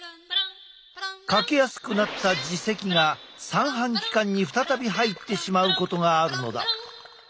欠けやすくなった耳石が三半規管に再び入ってしまうことがあるのだ。